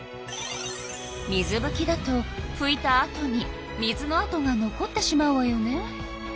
水ぶきだとふいたあとに水のあとが残ってしまうわよね。